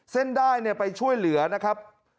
เส้นด้ายนี่ไปช่วยเหลือนะครับ